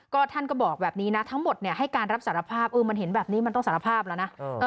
ก็ท่านก็บอกแบบนี้นะทั้งหมดให้การรับสารภาพมันเห็นแบบนี้มันต้องสารภาพแล้วนะ